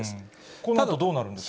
このあとどうなるんですか？